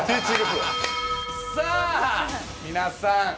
さあ皆さん。